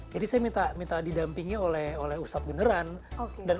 jadi saya minta didampingi oleh ustadz beneran